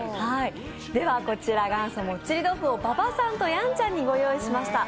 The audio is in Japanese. では、元祖もっちり豆冨を馬場さんと、やんちゃんにご用意いたしました。